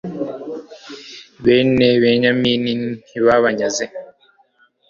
bene benyamini ntibabanyaze